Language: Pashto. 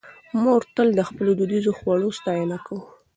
موږ تل د خپلو دودیزو خوړو ستاینه کوو.